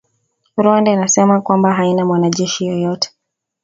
Rwanda inasema kwamba haina mwanajeshi yeyote